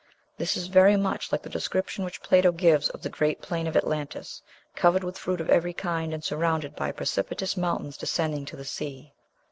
This is very much like the description which Plato gives of the great plain of Atlantis, covered with fruit of every kind, and surrounded by precipitous mountains descending to the sea.